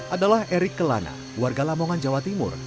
adalah erik kelana warga lamongan jawa timur